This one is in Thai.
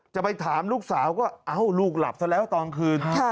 จะไปถามลูกสาวก็เอ้าลูกหลับซะแล้วตอนคืน